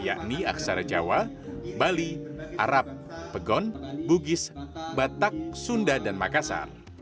yakni aksara jawa bali arab pegon bugis batak sunda dan makassar